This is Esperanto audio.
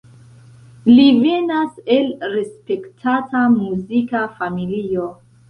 Li venas el respektata muzika familio.